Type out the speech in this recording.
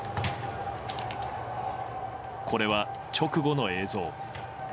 これは直後の映像。